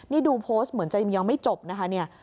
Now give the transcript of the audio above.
นี่ดูโพสต์เหมือนจะยังไม่จบนะคะเนี่ย